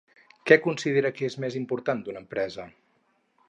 Què considera que el més important d'una empresa?